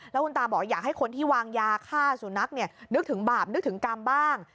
แล้วคุณตาบอกอยากให้คนที่วางยาฆ่าสุนัขนึกถึงบาปนึกถึงกรรมบ้าง